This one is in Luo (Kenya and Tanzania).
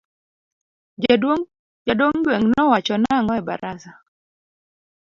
Jaduong gweng no wacho nango e barasa.